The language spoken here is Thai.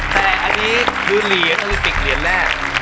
แต่อันนี้ดูเหรียญหน้าลิปิกเหรียญแรก